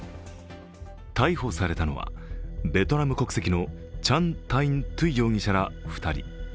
逮捕されたのは、ベトナム国籍のチャン・タイン・トゥイ容疑者ら２人。